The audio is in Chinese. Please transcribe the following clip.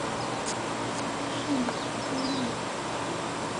圣波良。